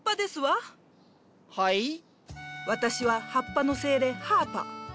私は葉っぱの精霊ハーパ。